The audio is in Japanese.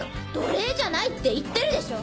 奴隷じゃないって言ってるでしょ！